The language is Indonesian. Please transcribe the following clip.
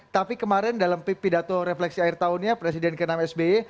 tapi kemarin dalam pidato refleksi akhir tahunnya presiden ke enam sby